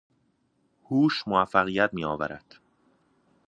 هوش موفقیت میآورد.